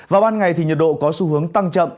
vào ban ngày thì nhiệt độ có xu hướng tăng chậm